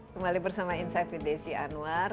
kembali bersama insight with desi anwar